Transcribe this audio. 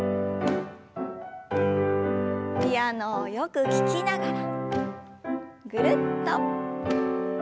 ピアノをよく聞きながらぐるっと。